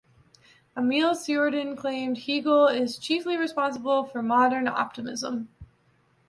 Emil Cioran claimed Hegel is chiefly responsible for modern optimism.